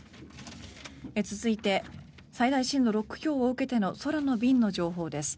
続いて最大震度６強を受けての空の便の情報です。